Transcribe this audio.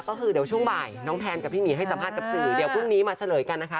ก็คือเดี๋ยวช่วงบ่ายน้องแพนกับพี่หมีให้สัมภาษณ์กับสื่อเดี๋ยวพรุ่งนี้มาเฉลยกันนะคะ